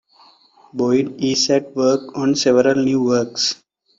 Boyd is at work on several new works.